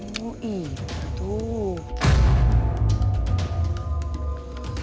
ibu ibu tuh